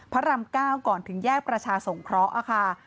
พระรำเก้าก่อนถึงแยกประชาสงเคราะห์